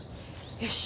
よし！